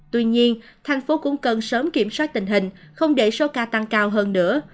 tuy nhiên thành phố cũng cần sớm kiểm soát tình hình không để số ca tăng cao hơn nữa